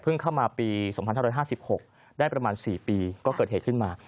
เข้ามาปี๒๕๕๖ได้ประมาณ๔ปีก็เกิดเหตุขึ้นมา